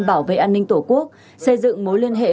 bảo vệ an ninh tổ quốc xây dựng mối liên hệ